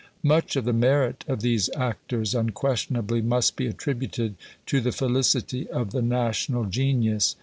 Much of the merit of these actors unquestionably must be attributed to the felicity of the national genius.